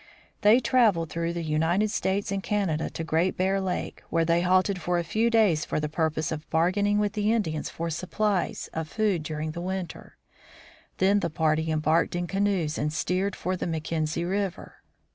They traveled through the United States and Canada to Great Bear lake, where they halted for a few days for the purpose of bargaining with the Indians for supplies 22 THE FROZEN NORTH of food during the winter. Then the party embarked in canoes and steered for the Mackenzie river.